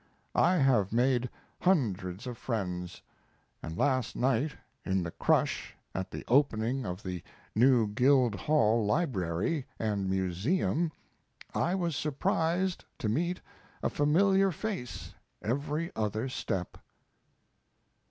I have made hundreds of friends; and last night, in the crush at the opening of the new Guild Hall Library and Museum, I was surprised to meet a familiar face every other step.